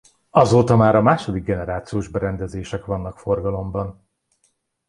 Azóta már a második generációs berendezések vannak forgalomban.